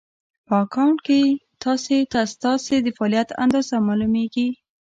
په اکونټ کې ناسې ته ستاسې د فعالیت اندازه مالومېږي